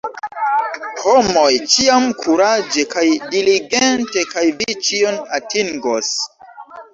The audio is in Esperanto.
Homoj, ĉiam kuraĝe kaj diligente, kaj vi ĉion atingos!